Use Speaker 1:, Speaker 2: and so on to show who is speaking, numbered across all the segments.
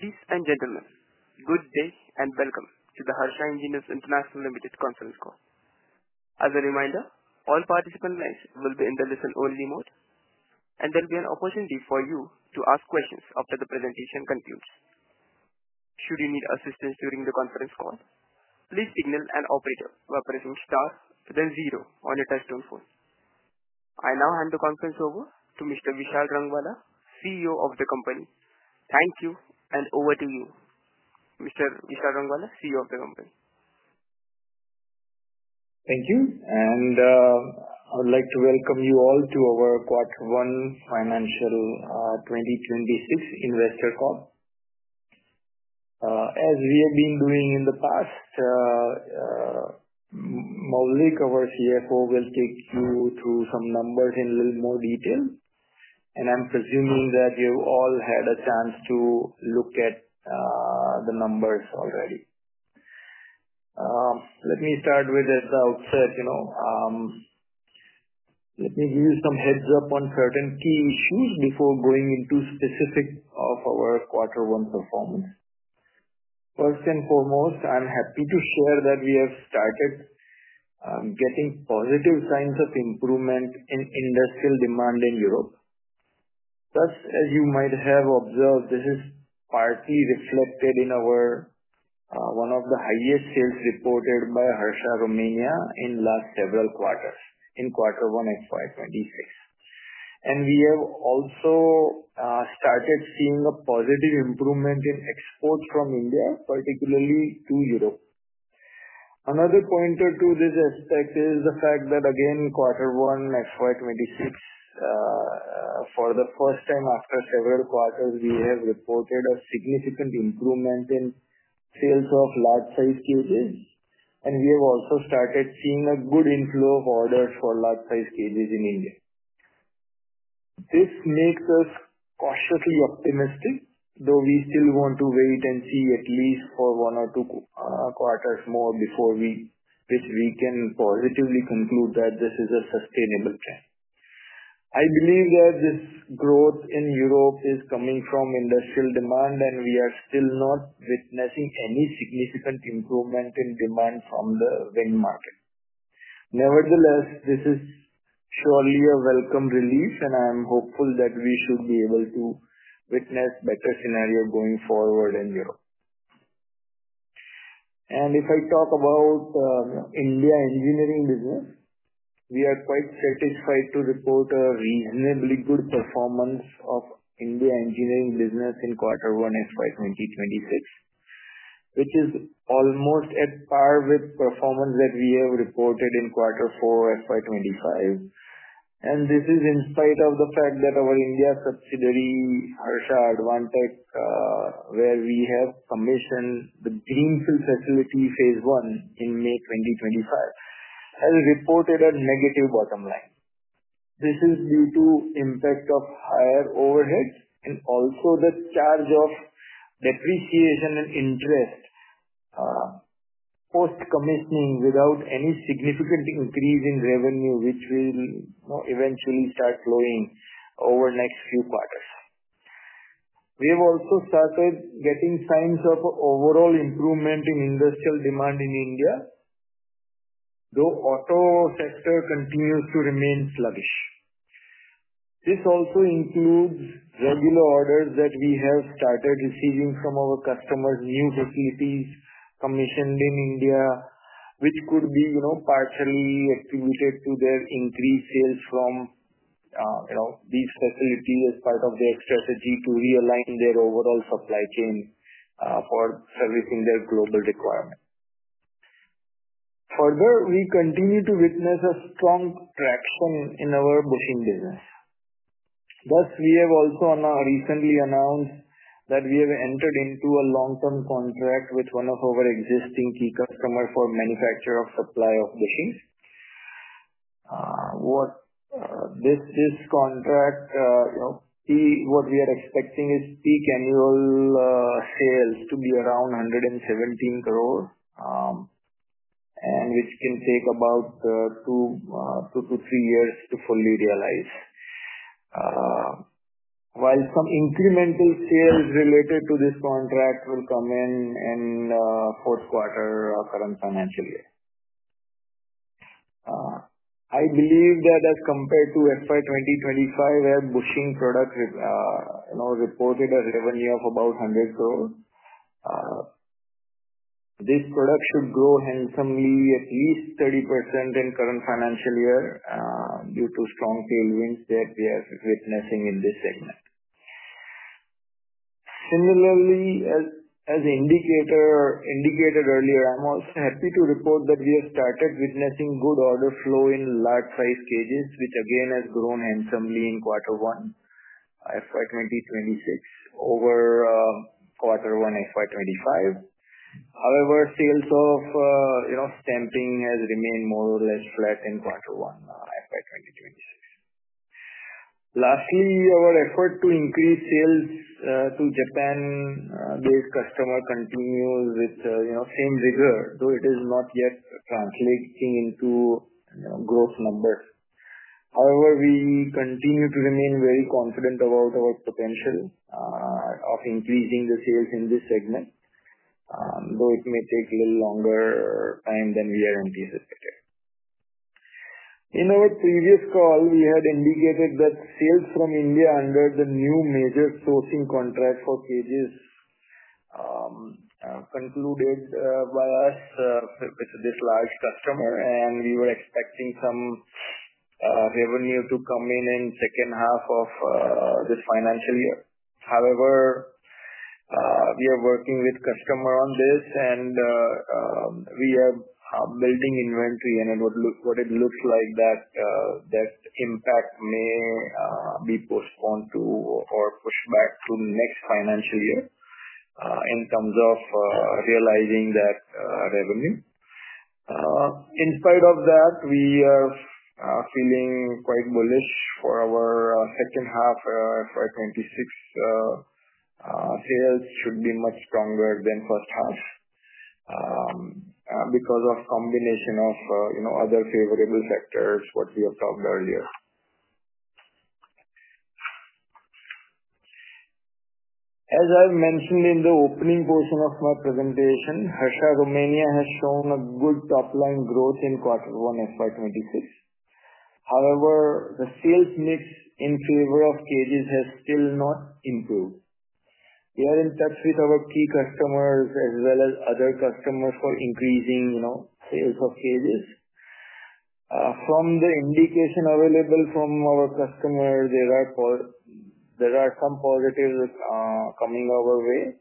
Speaker 1: Ladies and gentlemen, good day and welcome to the Harsha Engineers International Limited Conference Call. As a reminder, all participant lists will be in the listen-only mode, and there will be an opportunity for you to ask questions after the presentation concludes. Should you need assistance during the conference call, please email an operator or operations staff at zero on your touch-tone phone. I now hand the conference over to Mr. Vishal Rangwala, CEO of the company. Thank you, and over to you, Mr. Vishal Rangwala, CEO of the company.
Speaker 2: Thank you. I would like to welcome you all to our Quarter One, Financial 2026 Investor Call. As we have been doing in the past, Maulik, our CFO, will take you through some numbers in a little more detail. I'm presuming that you've all had a chance to look at the numbers already. Let me start with the outset. Let me give you some heads up on certain key issues before going into specifics of our quarter one performance. First and foremost, I'm happy to share that we have started getting positive signs of improvement in industrial demand in Europe. This is partly reflected in one of the highest sales reported by Harsha Romania in the last several quarters, in quarter one of 2026. We have also started seeing a positive improvement in exports from India, particularly to Europe. Another point to this aspect is the fact that, again, in quarter one of 2026, for the first time after several quarters, we have reported a significant improvement in sales of large-sized cages. We have also started seeing a good inflow of orders for large-sized cages in India. This makes us cautiously optimistic, though we still want to wait and see at least for one or two quarters more before we can positively conclude that this is a sustainable trend. I believe that this growth in Europe is coming from industrial demand, and we are still not witnessing any significant improvement in demand from the wind market. Nevertheless, this is surely a welcome release, and I'm hopeful that we should be able to witness a better scenario going forward in Europe. If I talk about the India engineering business, we are quite satisfied to report a reasonably good performance of India engineering business in quarter one of 2026, which is almost at par with performance that we have reported in quarter four of 2025. This is in spite of the fact that our India subsidiary, Harsha Advantek, where we have commissioned the greenfield facility phase I in May 2025, has reported a negative bottom line. This is due to the impact of higher overheads and also the charge of depreciation and interest post-commissioning without any significant increase in revenue, which will eventually start flowing over the next few quarters. We have also started getting signs of overall improvement in industrial demand in India, though the auto sector continues to remain sluggish. This also includes regular orders that we have started receiving from our customers' new facilities commissioned in India, which could be partially attributed to their increased sales from these facilities as part of their strategy to realign their overall supply chain for servicing their global requirements. Further, we continue to witness a strong gap in our booking business. Thus, we have also recently announced that we have entered into a long-term contract with one of our existing key customers for the manufacture or supply of bookings. This contract, what we are expecting is peak annual sales to be around 117 crore, and which can take about two to three years to fully realize. While some incremental sales related to this contract will come in in the fourth quarter of the current financial year, I believe that as compared to FY 2025, where booking products reported a revenue of about 100 crore, this product should grow handsomely at least 30% in the current financial year due to strong tailwinds that we are witnessing in this segment. Similarly, as indicated earlier, I'm also happy to report that we have started witnessing good order flow in large-sized cages, which again has grown handsomely in quarter one of 2026 over quarter one of 2025. However, sales of stamping components have remained more or less flat in quarter one. Lastly, our effort to increase sales to Japan-based customers continues with the same rigor, though it has not yet translated into growth numbers. However, we continue to remain very confident about our potential of increasing the sales in this segment, though it may take a little longer time than we are anticipating. In our previous call, we had indicated that sales from India under the new major sourcing contract for cages concluded by us with this large customer, and we were expecting some revenue to come in in the second half of this financial year. However, we are working with the customer on this, and we are building inventory, and it would look like that impact may be postponed to or pushed back to the next financial year in terms of realizing that revenue. In spite of that, we are feeling quite bullish for our second half of 2026. Sales should be much stronger than the first half because of a combination of other favorable factors, what we have talked earlier. As I mentioned in the opening portion of my presentation, Harsha Romania has shown a good top-line growth in quarter one of 2026. However, the sales mix in favor of cages has still not improved. We are in touch with our key customers as well as other customers for increasing sales of cages. From the indication available from our customers, there are some positives coming our way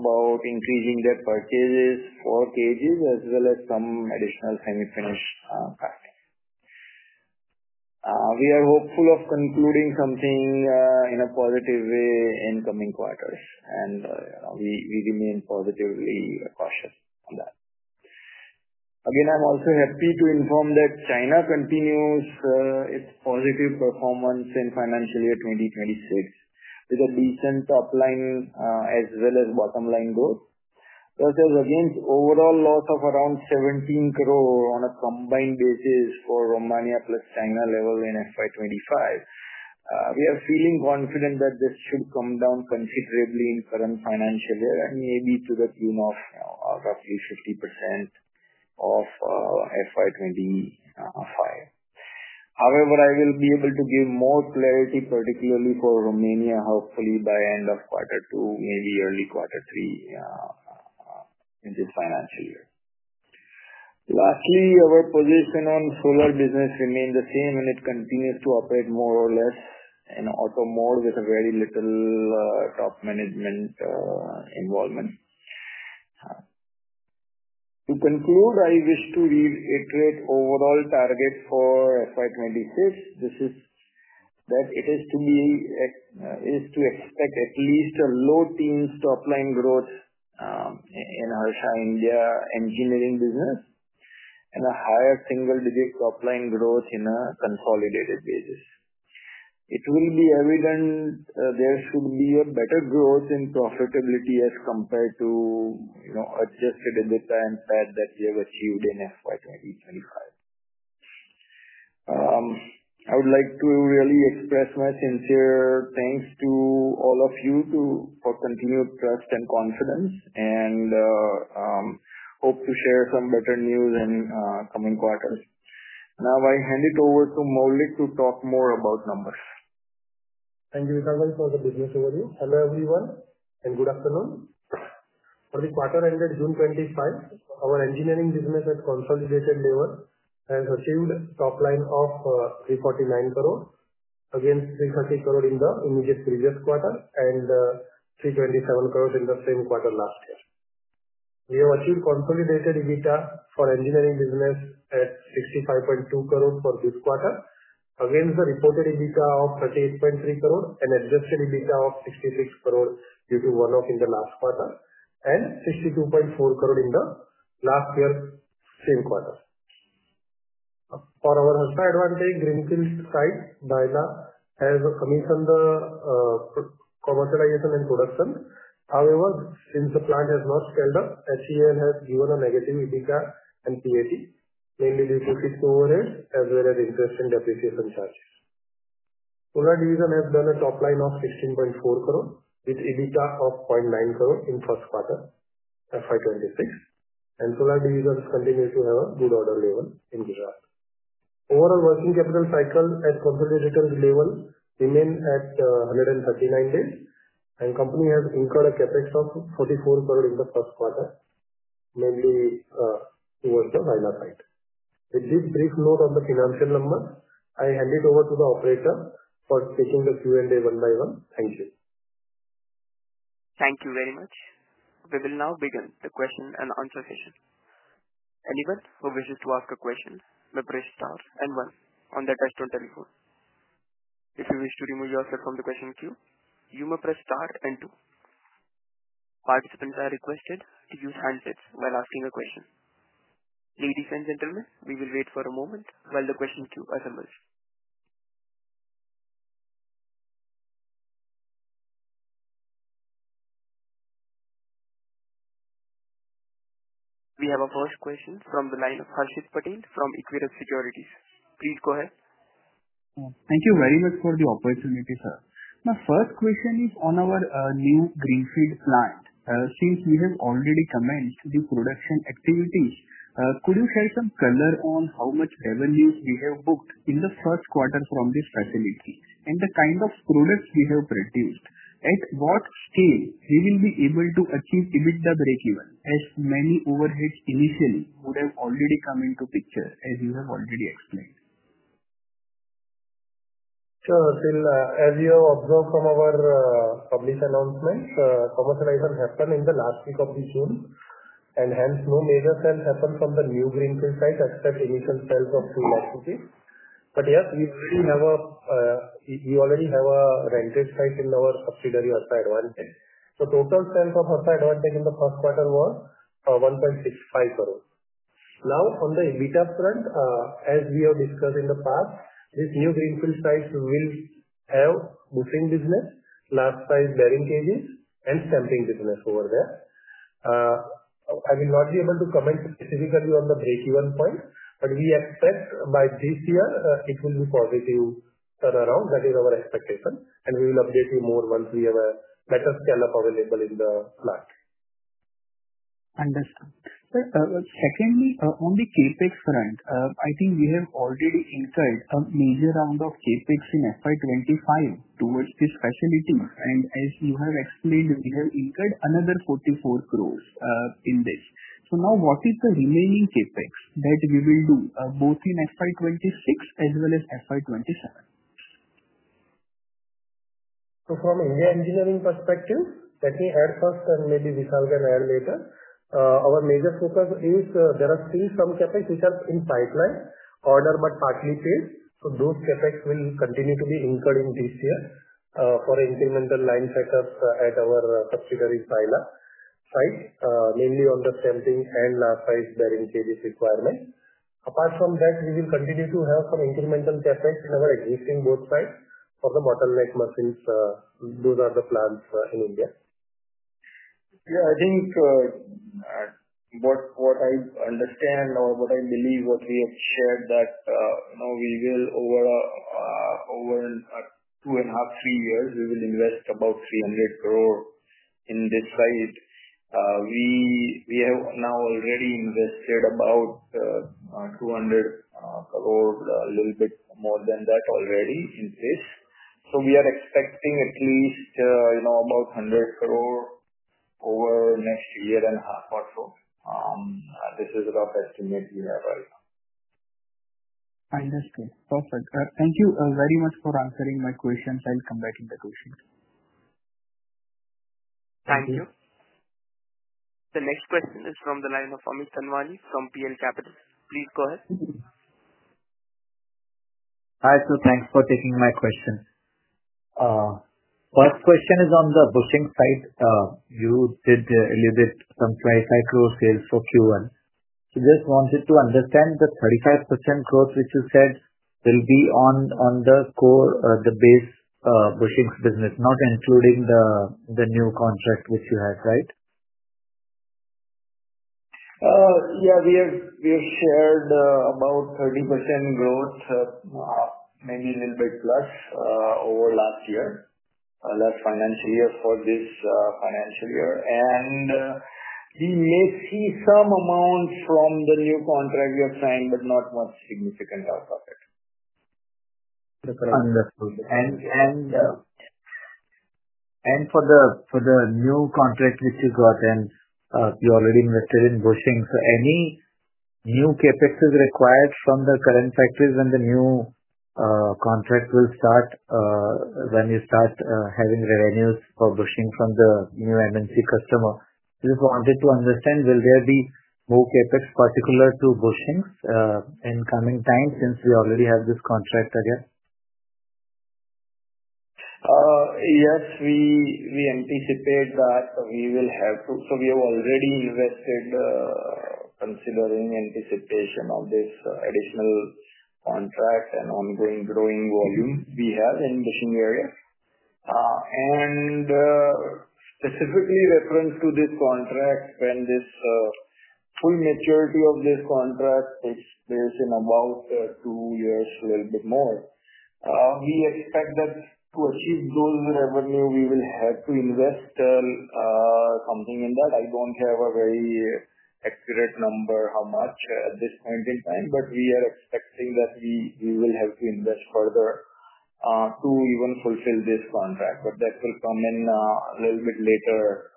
Speaker 2: about increasing their purchases for cages as well as some additional semi-finished plastics. We are hopeful of concluding something in a positive way in the coming quarters, and we remain positively cautious of that. I am also happy to inform that China continues its positive performance in the financial year 2026 with a decent top line as well as bottom line growth. That is against overall loss of around 17 crore on a combined basis for Romania plus China level in FY 2025. We are feeling confident that this should come down considerably in the current financial year and maybe to the tune of roughly 50% of FY 2025. I will be able to give more clarity, particularly for Romania, hopefully by the end of quarter two, maybe early quarter three in this financial year. Lastly, our position on the solar business remains the same, and it continues to operate more or less in auto mode with very little top management involvement. To conclude, I wish to reiterate overall targets for FY 2026. This is both. It is to expect at least a low teens top line growth in our India engineering business and a higher single-digit top line growth on a consolidated basis. It will be evident there should be a better growth in profitability as compared to, you know, adjusted in the planned path that we have achieved in FY 2025. I would like to really express my sincere thanks to all of you for continued trust and confidence and hope to share some better news in the coming quarters. Now, I hand it over to Maulik to talk more about numbers.
Speaker 3: Thank you, Vishal, for the business overview. Hello everyone and good afternoon. For the quarter ended June 2025, our engineering business had consolidated near and achieved a top line of 349 crore against 330 crore in the immediate previous quarter and 327 crore in the same quarter last year. We have achieved consolidated EBITDA for engineering business at 65.2 crore for this quarter against the reported EBITDA of 38.3 crore and adjusted EBITDA of 66 crore due to one-off in the last quarter and 62.4 crore in the last year's same quarter. For our Harsha Advantek greenfield site, Bhayla has commissioned the commercialization and production. However, since the plant has not scaled up, HEIL has given a negative EBITDA and PAT, mainly due to fixed overheads as well as interest and depreciation charges. Solar division has done a top line of 16.4 crore with EBITDA of 0.9 crore in the first quarter of FY 2026, and solar divisions continue to have a good order level in Gujarat. Overall, the working capital cycle at the consolidated level remains at 139 days, and the company has incurred a CapEx of 44 crore in the first quarter, mainly towards the Bhayla site. With this brief note on the financial numbers, I hand it over to the operator for taking the Q&A one by one. Thank you.
Speaker 1: Thank you very much. We will now begin the question and answer session. Anyone who wishes to ask a question may press star and one on the touch-tone telephone. If you wish to remove yourself from the question queue, you may press star and two. Participants are requested to use handsets while asking a question. Ladies and gentlemen, we will wait for a moment while the question queue assembles. We have our first question from the line of Harshit Patel from Equirus Securities. Please go ahead.
Speaker 4: Thank you very much for the opportunity, sir. My first question is on our new greenfield plant. Since we have already commenced the production activity, could you shed some color on how much revenue we have booked in the first quarter from this facility and the kind of products we have produced? At what scale will we be able to achieve EBITDA breakeven as many overheads initially would have already come into picture, as you have already explained?
Speaker 3: Sure. As you have observed from our public announcements, commercialization happened in the last week of this June, and hence, no major sales happened from the new greenfield site at that initial sales of 2 lakh. Yes, we already have a rented site in our subsidiary, Harsha Advantek. The total sales of Harsha Advantek in the first quarter was 1.65 crore. Now, on the EBITDA front, as we have discussed in the past, this new greenfield site will have booking business, large-sized bearing cages, and stamping business over there. I will not be able to comment specifically on the breakeven point, but we expect by this year it will be positive turnaround. That is our expectation, and we will update you more once we have a better scale-up available in the plant.
Speaker 4: Understood. Secondly, on the CapEx front, I think we have already incurred a major amount of CapEx in FY 2025 towards this facility. As you have explained, we have incurred another 44 crore in this. What is the remaining CapEx that we will do both in FY 2026 as well as FY 2027?
Speaker 3: From an engineering perspective that we had first, and maybe Vishal can add later, our major focus is there are three some CapEx which are in pipeline, order but partly paid. Those CapEx will continue to be incurred in this year for incremental line setup at our subsidiary, Bhayla, mainly on the stamping and large-sized bearing cages requirement. Apart from that, we will continue to have some incremental CapEx in our existing both sites for the motor net machines. Those are the plants in India.
Speaker 2: I think what I understand or what I believe, what we have shared, that now we will, over two and a half, three years, we will invest about 300 crore in this site. We have now already invested about 200 crore, a little bit more than that already in this. We are expecting at least about 100 crore over the next year and a half or so. This is about the estimate we have right now.
Speaker 4: Understood. Perfect. Thank you very much for answering my questions. I'll come back with the questions.
Speaker 3: Thank you.
Speaker 1: The next question is from the line of Amit Anwani from PL Capital. Please go ahead.
Speaker 5: Hi, Sir. Thanks for taking my question. First question is on the booking side. You did allude to some INR 25 crore sales for Q1. I just wanted to understand the 35% growth, which you said will be on the core, the base bushings business, not including the new contract which you have, right?
Speaker 2: Yeah, we have shared about 30% growth, maybe a little bit plus over the last year, last financial year for this financial year. We may see some amount from the new contract you're trying, but not much significant out of it.
Speaker 5: Understood. For the new contract which you got and you already invested in bushings, is any new CapEx required from the current factories when the new contract will start, when you start having revenues for bushing from the new MNC customer? I just wanted to understand, will there be more CapEx particular to bushings in the coming time since we already have this contract again?
Speaker 2: Yes, we anticipate that we will have to. We have already invested, considering the situation of this additional contract and ongoing growing volume we have in the bushing area. Specifically in reference to this contract, when the full maturity of this contract takes place in about two years, a little bit more, we expect that for this growing revenue, we will have to invest something in that. I don't have a very accurate number how much at this point in time, but we are expecting that we will have to invest further to even fulfill this contract. That will come in a little bit later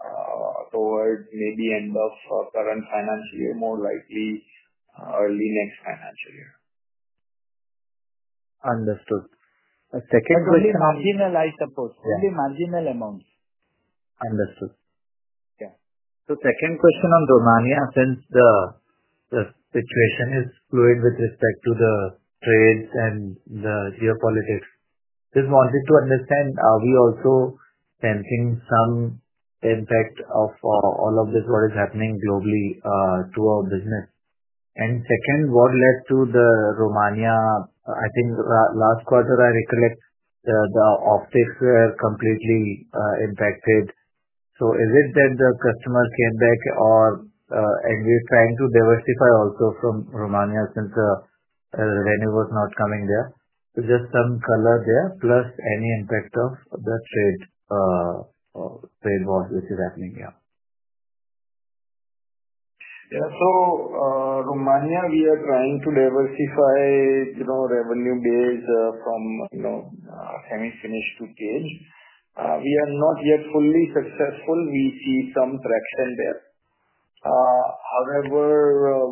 Speaker 2: towards maybe the end of the current financial year, more likely early next financial year.
Speaker 5: Understood. Second question,
Speaker 3: marginalized the post, only marginal amounts.
Speaker 5: Understood. Yeah. Second question on Romania, since the situation is fluid with respect to the trades and the geopolitics, just wanted to understand, are we also sensing some impact of all of this, what is happening globally to our business? What led to the Romania? I think last quarter, I recollect the offtake were completely impacted. Is it that the customers came back, or you're trying to diversify also from Romania since the revenue was not coming there? Is there some filler there, plus any impact of the trade war which is happening here?
Speaker 2: Yeah. Romania, we are trying to diversify revenue base from semi-finished to tail. We are not yet fully successful. We see some traction there. However,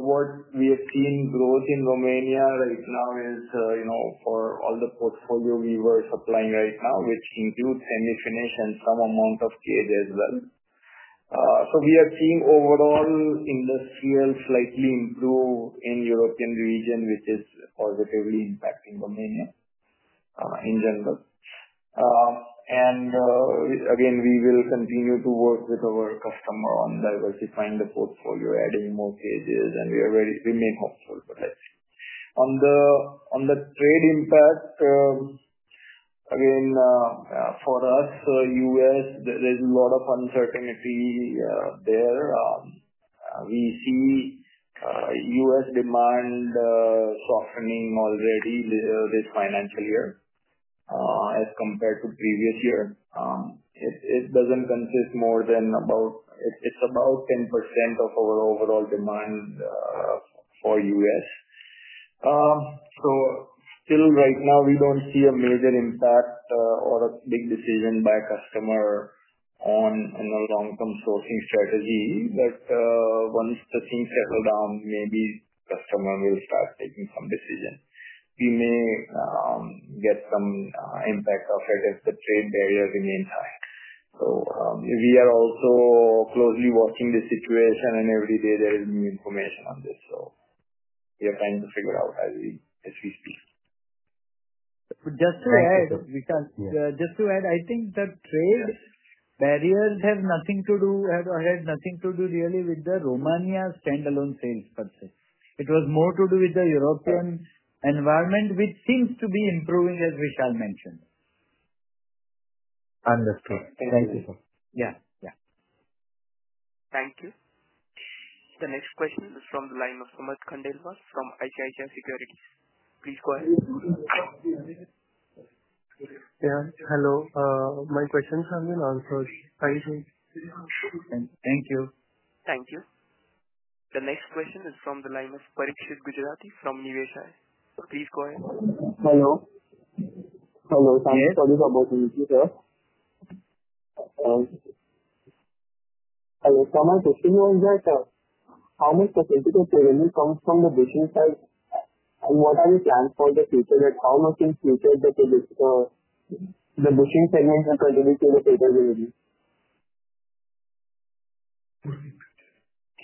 Speaker 2: what we have seen growth in Romania right now is, you know, for all the portfolio we were supplying right now, which includes semi-finished and some amount of cage as well. We are seeing overall industrial slightly improve in the European region, which is positively impacting Romania in general. We will continue to work with our customer on diversifying the portfolio, adding more cages, and we are building up for that. On the trade impact, for us, U.S., there is a lot of uncertainty there. We see U.S. demand softening already this financial year as compared to the previous year. It doesn't consist more than about, it's about 10% of our overall demand for U.S. Till right now, we don't see a major impact or a big decision by a customer on the long-term sourcing strategy. Once things settle down, maybe the customer will start taking some decisions. We may get some impact of it as the trade barriers remain high. We are also closely watching the situation, and every day there is new information on this. We are trying to figure out as we speak.
Speaker 3: Just to add, Vishal, I think the trade barriers had nothing to do really with the Romania standalone sales per se. It was more to do with the European environment, which seems to be improving as Vishal mentioned.
Speaker 5: Understood. Thank you, sir. Yeah, yeah.
Speaker 1: Thank you. The next question is from the line of Samarth Khandelwal from ICICI Securities. Please go ahead.
Speaker 6: Hello. My questions have been answered. Thank you.
Speaker 1: Thank you. The next question is from the line of Parikshit Gujrati from Niveshaay. Please go ahead.
Speaker 7: Hello. Sorry to interrupt. I was kind of testing on that. I'm expecting to get the revenue comes from the bushing side. What are the plans for the future and how much in the future the bushing segment will continue to increase?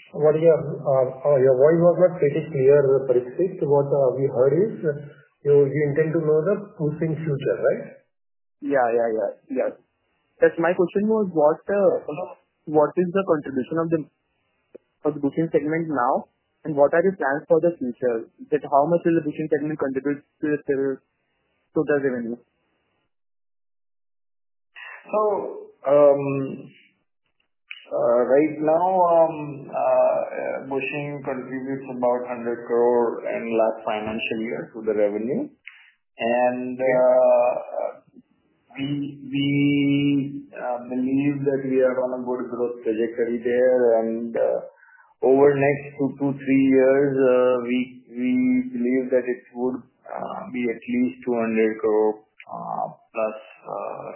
Speaker 3: Your voice was not pretty clear, Parikshit. What we heard is you intend to know the bushing future, right?
Speaker 7: Yes. My question was what is the contribution of the bushing segment now and what are the plans for the future? How much will the bushing segment contribute to the revenue?
Speaker 2: Right now, bushings contribute about 100 crore in the last financial year to the revenue. We believe that we are on a good growth trajectory there, and over the next two to three years, we believe that it would be at least 200 crore plus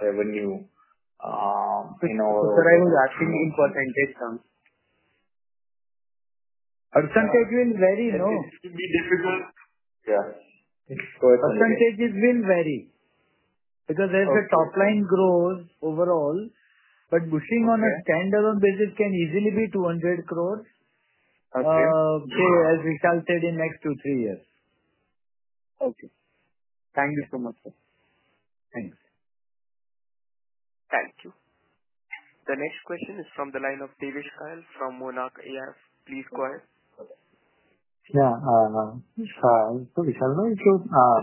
Speaker 2: revenue.
Speaker 7: What I was asking you for is percentage.
Speaker 3: Percentage will vary, no?
Speaker 2: It can be difficult.
Speaker 3: Yeah, its quite a percentages has been varying because as the top line grows overall, but bushing on a standalone basis can easily be 200 crore, as Vishal said, in the next two to three years.
Speaker 7: Okay, thank you so much, sir.
Speaker 2: Thanks.
Speaker 1: Thank you. The next question is from the line of Devesh Kayal from Monarch AIF. Please go ahead.
Speaker 8: Yeah. Vishal, if you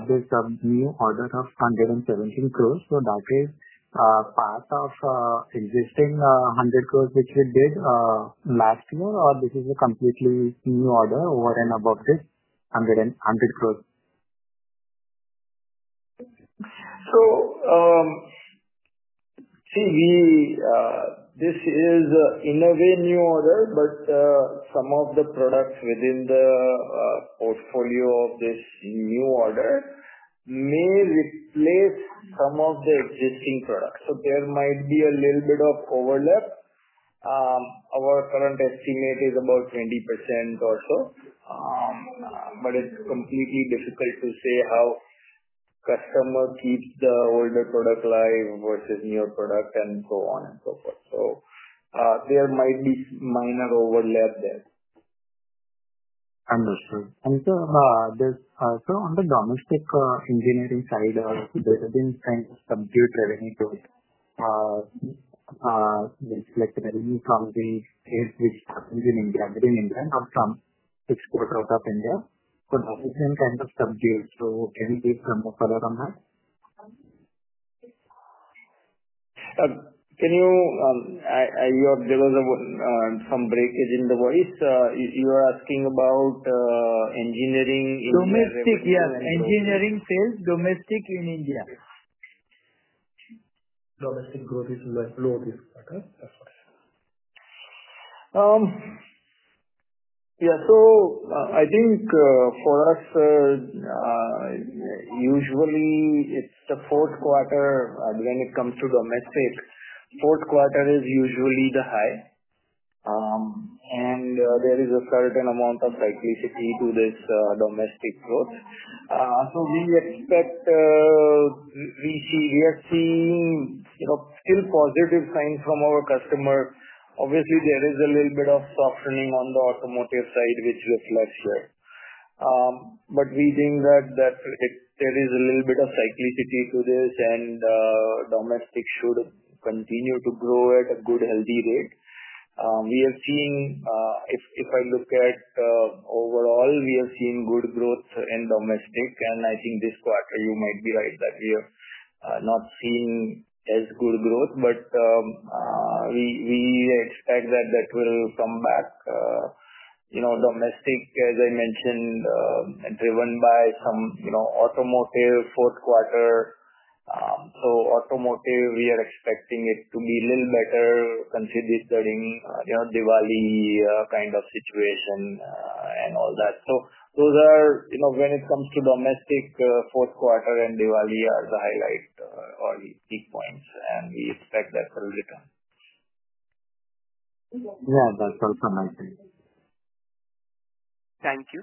Speaker 8: build a new order of 117 crore, is that a part of the existing 100 crore which we did last year, or is this a completely new order over and above this INR 100 crore?
Speaker 2: This is in a way a new order, but some of the products within the portfolio of this new order may replace some of the existing products. There might be a little bit of overlap. Our current estimate is about 20% or so. It's completely difficult to say how the customer keeps the older product live versus newer product and so on and so forth. There might be minor overlap there.
Speaker 8: Understood. Sir, on the domestic engineering side, there's a different kind of compute revenue to it. Basically, revenue from these things which happened in India, or some export out of India, but a different kind of compute. Can you give some more color on that?
Speaker 2: Can you? I have observed some breakage in the voice. You are asking about engineering.
Speaker 8: Domestic, yes. Domestic. Engineering sales, domestic in India.
Speaker 3: Domestic growth is low this quarter.
Speaker 2: Yeah. I think for us, usually, it's the fourth quarter when it comes to domestic. Fourth quarter is usually the high, and there is a certain amount of prejudice to this domestic growth. We expect we are seeing still positive signs from our customer. Obviously, there is a little bit of softening on the automotive side, which was last year. We think that there is a little bit of cyclicity to this, and domestic should continue to grow at a good, healthy rate. We are seeing, if I look at overall, we are seeing good growth in domestic. I think this quarter, you might be right that we are not seeing as good growth, but we expect that will come back. You know, domestic, as I mentioned, driven by some, you know, automotive fourth quarter. Automotive, we are expecting it to be a little better considering Diwali kind of situation and all that. Those are, you know, when it comes to domestic, fourth quarter and Diwali are the highlight or the key points, and we expect that to return.
Speaker 8: Yeah, that's our comment.
Speaker 1: Thank you.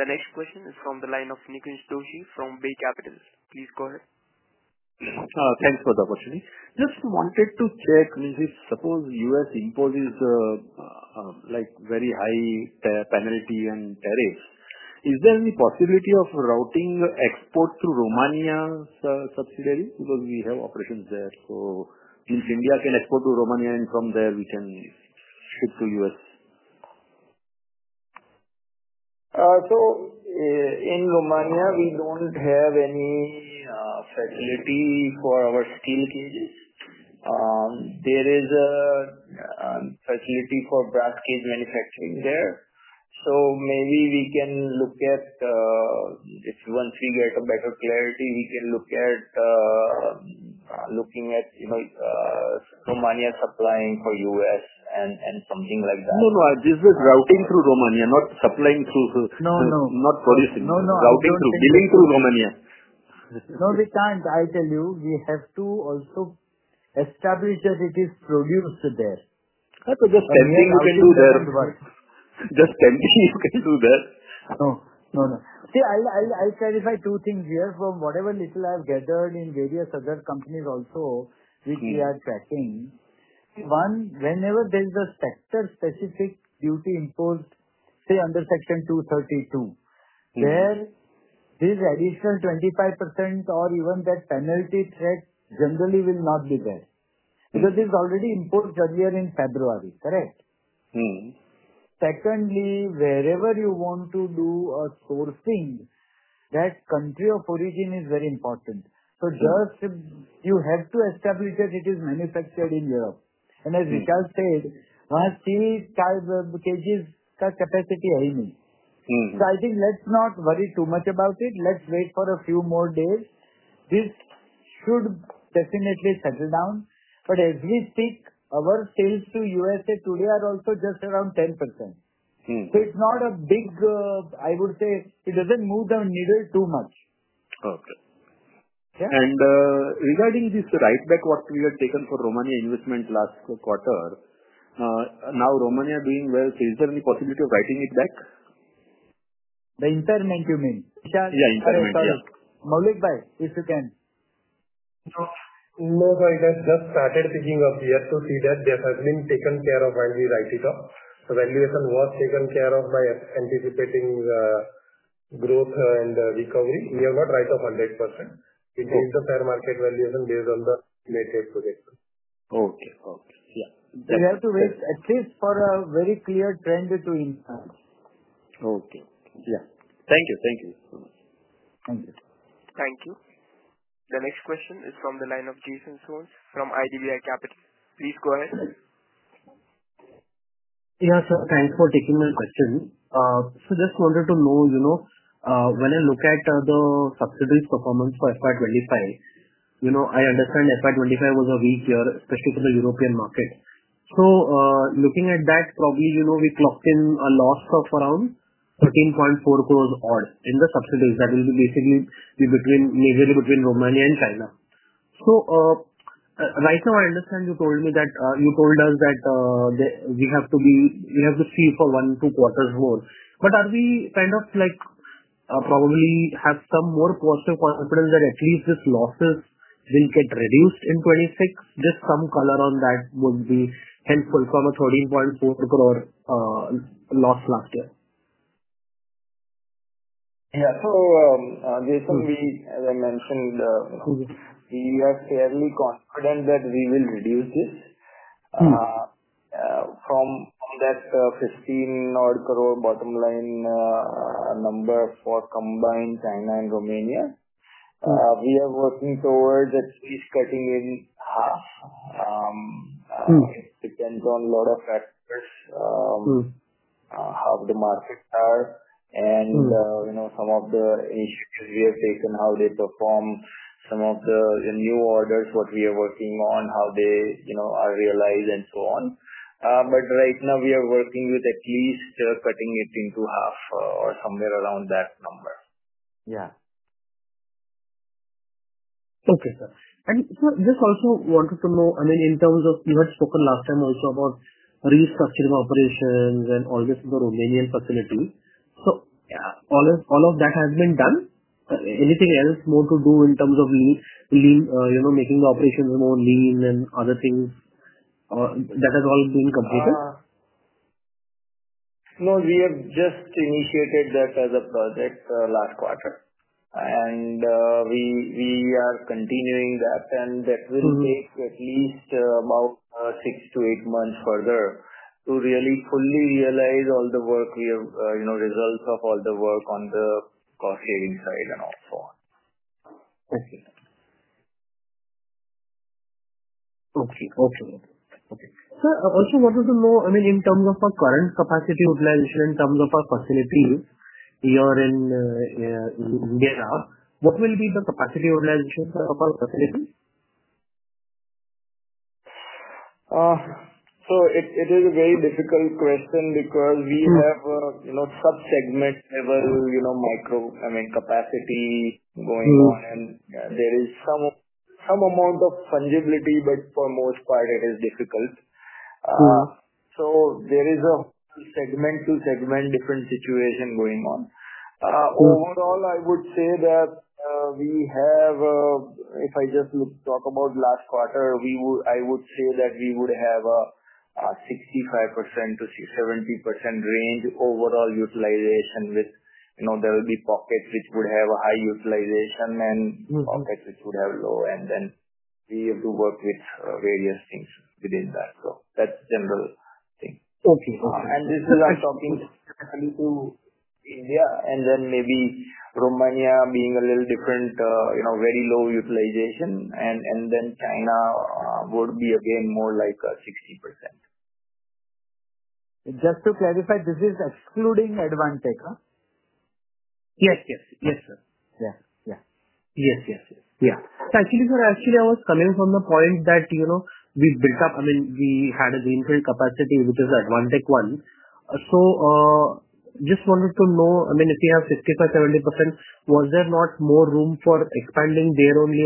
Speaker 1: The next question is from the line of Nikunj Doshi from Bay Capital. Please go ahead.
Speaker 9: Thanks for the opportunity. Just wanted to check, suppose U.S. imposes very high penalty and tariffs. Is there any possibility of routing export to Romania subsidiary? Because we have operations there. Since India can export to Romania, and from there, we can stick to U.S.
Speaker 2: In Romania, we don't have any facility for our steel cages. There is a facility for brass cage manufacturing there. Maybe we can look at, if once we get a better clarity, we can look at Romania supplying for U.S.
Speaker 9: This is routing through Romania, not supplying through.
Speaker 3: No, no.
Speaker 9: Not producing, routing through, dealing through Romania.
Speaker 3: No, we can't. I tell you, we have to also establish that it is produced there.
Speaker 9: Just tell me you can do that. Just tell me you can do that.
Speaker 3: No, no. I'll clarify two things here from whatever little I've gathered in various other companies also which we are tracking. One, whenever there is a sector-specific duty imposed, say under Section 232, there is additional 25% or even that penalty threat generally will not be there because it's already imposed earlier in February, correct? Secondly, wherever you want to do a sourcing, that country of origin is very important. You just have to establish that it is manufactured in Europe. As Vishal said, our series type cages' capacity is high. I think let's not worry too much about it. Let's wait for a few more days. This should definitely settle down. As we speak, our sales to the U.S. today are also just around 10%. It's not a big, I would say, it doesn't move the needle too much.
Speaker 9: Okay. Yeah. Regarding this write-back, what we have taken for Romania investment last quarter, now Romania is doing well. Is there any possibility of writing it back?
Speaker 2: The entire bank, you mean?
Speaker 9: Yeah, entire bank.
Speaker 2: Maulik bhai, if you can.
Speaker 3: I just started thinking to see that has been taken care of when we write it up. The valuation was taken care of by anticipating the growth and the recovery. We have not write up 100%. In terms of fair market valuation, based on the latest data.
Speaker 9: Okay. Okay. Yeah.
Speaker 2: We have to wait for a very clear trend to impact.
Speaker 9: Okay. Yeah. Thank you. Thank you so much.
Speaker 3: Thank you.
Speaker 1: Thank you. The next question is from the line of Jason Soans from IDBI Capital. Please go ahead.
Speaker 10: Yes, sir. Thanks for taking the question. Just wanted to know, when I look at the subsidiary's performance for FY 2025, I understand FY 2025 was a weak year, especially for the European market. Looking at that, probably, we clocked in a loss of around 13.4 crore odd in the subsidiaries that will basically be between Romania and China. Right now, I understand you told me that you told us that you have to see for one to two quarters more. Are we kind of like probably have some more positive confidence that at least these losses will get reduced in 2026? Just some color on that would be helpful. How much? 13.4 crore loss last year.
Speaker 2: Yeah. Jason, as I mentioned, we are fairly confident that we will reduce this from that 15-odd crore bottom line number for combined China and Romania. We are working towards at least cutting it in half. It depends on a lot of factors, how the markets are, and some of the issues we are facing, how they perform, some of the new orders, what we are working on, how they are realized, and so on. Right now, we are working with at least cutting it into half or somewhere around that number.
Speaker 10: Yeah. Okay, sir. Sir, just also wanted to know, I mean, in terms of you had spoken last time also about restructuring operations and all this in the Romanian facility. All of that has been done. Anything else more to do in terms of, you know, making the operations more lean and other things? Or that has all been completed?
Speaker 2: No, we have just initiated that as a project last quarter. We are continuing that, and that will take at least about six to eight months further to really fully realize all the work here, you know, results of all the work on the cautionary side.
Speaker 10: Okay. Sir, I also wanted to know, I mean, in terms of our current capacity utilization in terms of our facilities here in India, what will be the capacity utilization of our facilities?
Speaker 2: It is a very difficult question because we have a subsegment, micro, I mean, capacity going on. There is some amount of fungibility, but for the most part, it is difficult. There is a segment to segment different situation going on. Overall, I would say that we have, if I just talk about last quarter, I would say that we would have a 65%-70% range overall utilization. There will be pockets which would have high utilization and pockets which would have lower. We have to work with various things within that. That's the general thing.
Speaker 10: Okay.
Speaker 2: This is our talking to India, and then maybe Romania being a little different, you know, very low utilization. China would be again more like a 60%.
Speaker 10: Just to clarify, this is excluding Advantek, huh?
Speaker 2: Yes, sir.
Speaker 10: Yeah, yeah.
Speaker 2: Yes, yes, yes.
Speaker 10: Yeah. Actually, I was coming from the point that, you know, we built up, I mean, we had a greenfield capacity, which is Advantek one. I just wanted to know, if you have 65%-70%, was there not more room for expanding there only?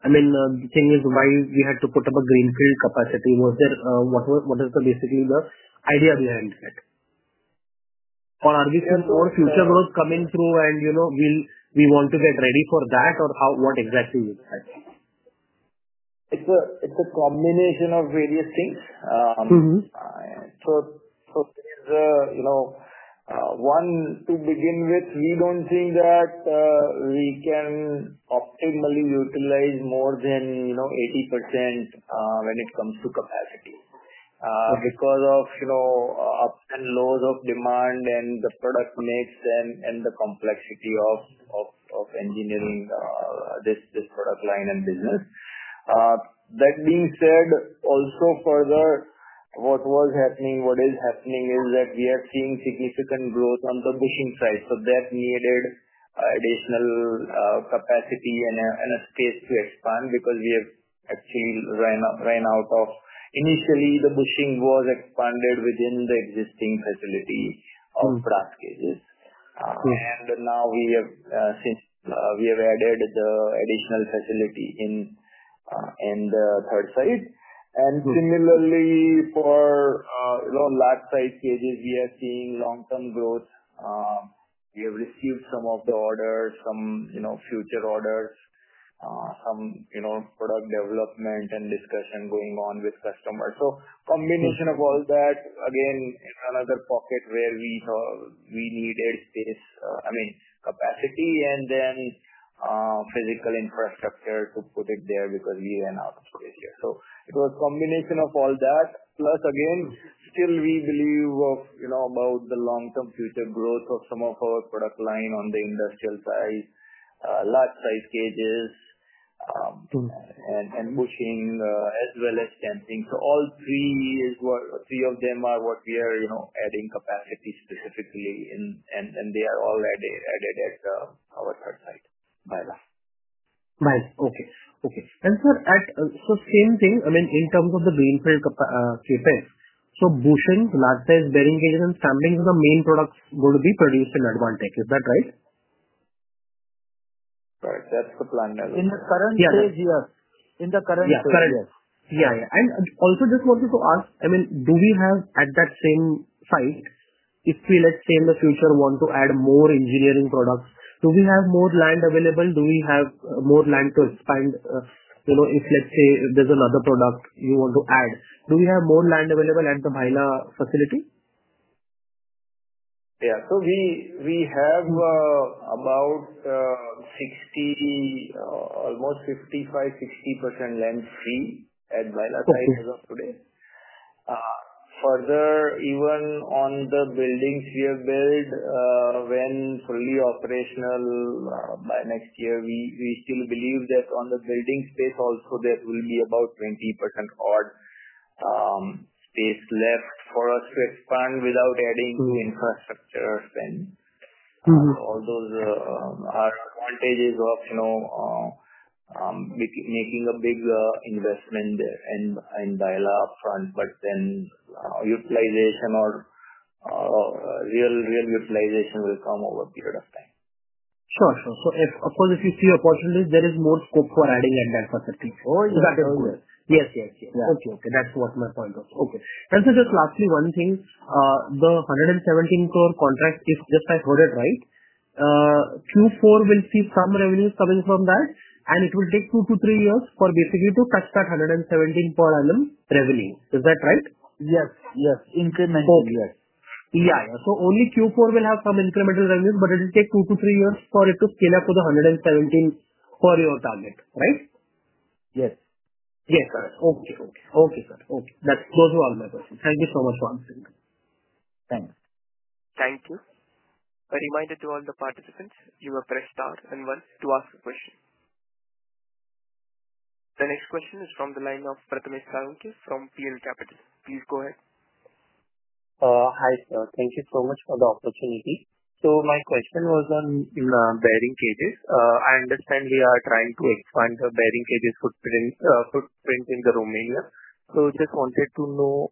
Speaker 10: The thing is, why you had to put up a greenfield capacity? What is basically the idea behind that? Are we seeing more future growth coming through, and you know, we want to get ready for that? What exactly is it?
Speaker 2: It's a combination of various things. One, to begin with, we don't think that we can optimally utilize more than 80% when it comes to capacity because of ups and lows of demand and the product mix and the complexity of engineering this product line and business. That being said, also further, what is happening is that we are seeing significant growth on the bushing side. That needed additional capacity and a space to expand because we have actually run out of, initially, the booking was expanded within the existing facility of brass cages. Now we have, since we have added the additional facility in the third site. Similarly, for last site stages, we are seeing long-term growth. We have received some of the orders, some future orders, some product development and discussion going on with customers. A combination of all that, again, is another pocket where we thought we needed space, I mean, capacity and then physical infrastructure to put it there because we ran out of space here. It was a combination of all that. Plus, again, still we believe about the long-term future growth of some of our product line on the industrial side, large-sized cages, and bushing as well as stamping. All three of them are what we are adding capacity specifically in, and they are already added as our third site.
Speaker 10: Right. Okay. Okay. Sir, at so same thing, I mean, in terms of the greenfield CapEx, so bushing, large-sized bearing cages, and stamping are the main products going to be produced in Advantek. Is that right?
Speaker 2: Right. That's the plan.
Speaker 3: In the current stage, yes.
Speaker 10: Yeah, yeah. Yeah, just wanted to ask, do we have at that same site, if we, let's say, in the future want to add more engineering products, do we have more land available? Do we have more land to expand? If, let's say, there's another product you want to add, do we have more land available at the Bhayla facility?
Speaker 2: Yeah. We have about 55%, 60% land free at Bhayla site as of today. Further, even on the buildings we have built, when fully operational by next year, we still believe that on the building space, also there will be about 20% odd space left for us to expand without adding to the infrastructure spend. All those are advantages of, you know, making a big investment there in Bhayla front, but then utilization or real, real utilization will come over a period of time.
Speaker 10: Sure, sure. Of course, if you see opportunity, there is more scope for adding in that for 2024. Is that it?
Speaker 2: Yes, yes, yes.
Speaker 10: Okay. That was my point. Sir, just lastly, one thing. The 117 crore contract, if I heard it right, Q4 will see some revenues coming from that, and it will take two to three years for basically to touch that 117 crore revenue. Is that right?
Speaker 2: Yes, incremental, yes.
Speaker 10: Yeah, yeah. Only Q4 will have some incremental revenues, but it will take two to three years for it to clean up to the 117 crore target, right?
Speaker 2: Yes. Yes.
Speaker 10: Okay. Okay. Okay, sir. Okay. Those were all my questions. Thank you so much for answering.
Speaker 2: Thanks.
Speaker 1: Thank you. I remind all the participants you may press star and one to ask a question. The next question is from the line of Prathmesh Salunkhe from PL Capital. Please go ahead.
Speaker 11: Hi, sir. Thank you so much for the opportunity. My question was on bearing cages. I understand we are trying to expand the bearing cages footprint in Romania. I just wanted to know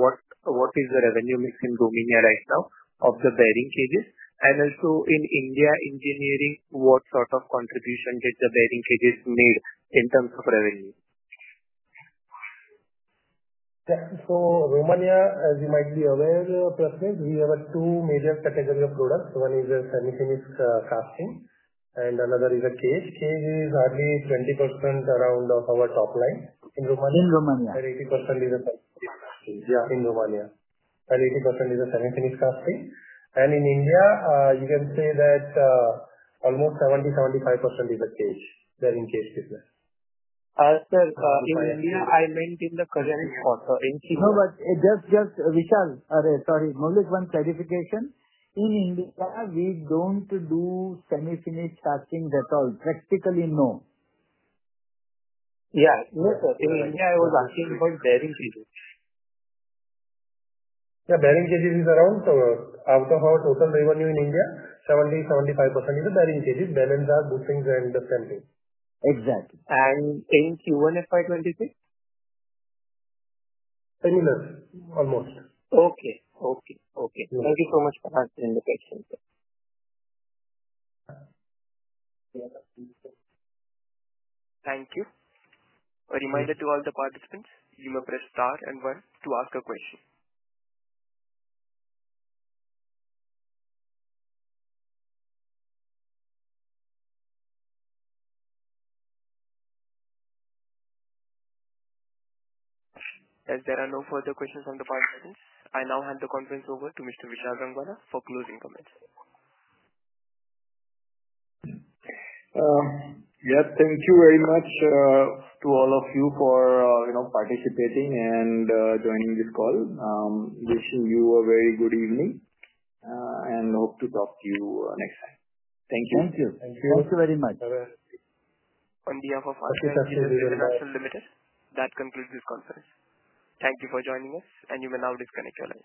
Speaker 11: what is the revenue mix in Romania right now of the bearing cages? Also, in India engineering, what sort of contribution did the bearing cages make in terms of revenue?
Speaker 3: Romania, as you might be aware, Prathmesh, we have two major categories of products. One is a semi-finished casting and another is a cage. Cage is hardly 20% of our top line.
Speaker 11: In Romania?
Speaker 3: In Romania, 80% is a cage. In Romania. 80% is a semi-finished casting. In India, you can say that almost 70%-75% is a cage. Bearing cages is there.
Speaker 11: I meant in the present spot, sir.
Speaker 2: Oh, yes, yes, Vishal. Sorry. Maulik, one clarification. In India, we don't do semi-finished castings at all. Practically, no.
Speaker 11: Yeah, in India, I was asking for bearing cages.
Speaker 3: Bearing cages is around. Out of our total revenue in India, 70%-75% is the bearing cages. Balance are bookings and the stamping.
Speaker 2: Exactly.
Speaker 11: Same Q1 FY 2026?
Speaker 3: Similar. Almost.
Speaker 11: Okay. Thank you so much for that clarification.
Speaker 1: Thank you. I remind all the participants you may press star and one to ask a question. As there are no further questions from the participants, I now hand the conference over to Mr. Vishal Rangwala for closing comments.
Speaker 2: Yes, thank you very much to all of you for participating and joining this call. Wishing you a very good evening and hope to talk to you next time.
Speaker 3: Thank you. Thank you very much. Thank you.
Speaker 1: On behalf of Harsha Engineers International Limited, that concludes this conference. Thank you for joining us, and you may now disconnect.